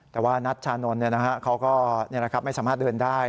แต่ว่านัชชานนท์เขาก็ไม่สามารถเดินได้